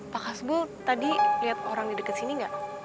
pakas bul tadi lihat orang di dekat sini nggak